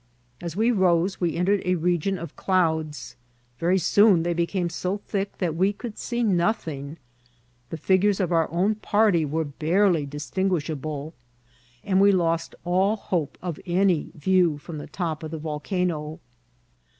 As we rose we entered a region of clouds ; very soon they became so thick that we could see nothing ; the figures of our own party were barely distinguishable, and we lost all hope of any view from the top of the volcano.